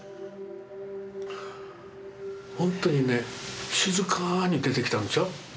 ほんとにね静かに出てきたんですよ。